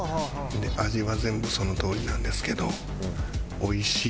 味は全部そのとおりなんですけど。